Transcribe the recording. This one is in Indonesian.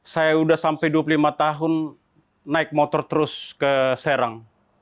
saya sudah sampai dua puluh lima tahun naik motor terus ke serang